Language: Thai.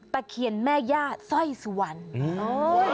ตะเคียนแม่ย่าสร้อยสุวรรณอืม